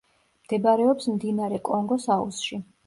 მდებარეობს მდინარე კონგოს აუზში.